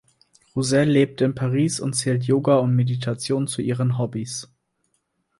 Rousselle lebt in Paris und zählt Yoga und Meditation zu ihren Hobbys.